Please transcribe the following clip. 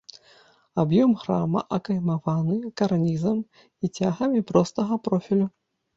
Аб'ём храма акаймаваны карнізам і цягамі простага профілю.